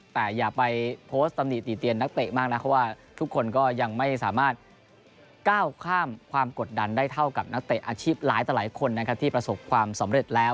แต่อย่าไปโพสต์ตำหนิติเตียนนักเตะมากนะเพราะว่าทุกคนก็ยังไม่สามารถก้าวข้ามความกดดันได้เท่ากับนักเตะอาชีพหลายต่อหลายคนนะครับที่ประสบความสำเร็จแล้ว